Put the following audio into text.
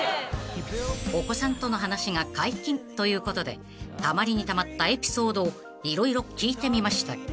［お子さんとの話が解禁ということでたまりにたまったエピソードを色々聞いてみました］